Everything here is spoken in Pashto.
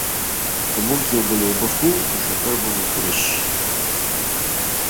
که موږ یو بل وبښو نو شکر به مو پوره سي.